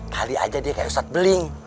kali aja dia kayak ustadz beling